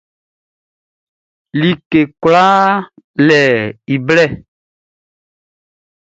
Like kwlaa le i blɛ.